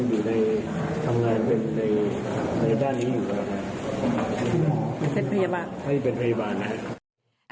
ไม่เป็นพยาบาล